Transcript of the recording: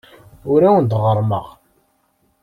Ur awen-d-ɣerrmeɣ.